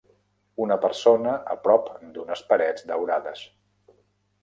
Una persona a prop d'unes parets daurades.